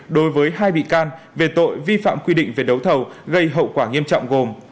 đối với hai bị can về tội vi phạm quy định về đấu thầu gây hậu quả nghiêm trọng gồm